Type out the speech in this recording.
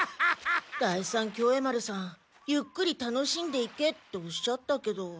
第三協栄丸さんゆっくり楽しんでいけっておっしゃったけど。